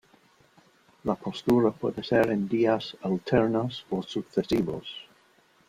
La postura puede ser en días alternos o sucesivos.